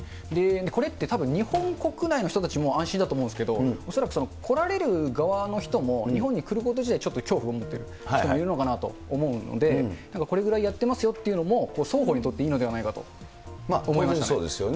これって、たぶん日本国内の人たちも安心だと思うんですけど、恐らく来られる側の人も、日本に来ること自体ちょっと恐怖を持っている人もいるのかなと思うので、なんかこれぐらいやってますよっていうのも双方にとっていいのでそうですね。